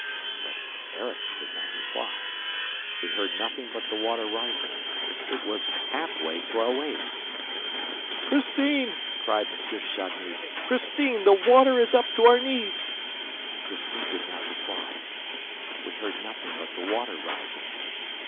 But Erik did not reply. We heard nothing but the water rising: it was half way to our waists! "Christine!" cried M. de Chagny. "Christine! The water is up to our knees!" But Christine did not reply ... We heard nothing but the water rising.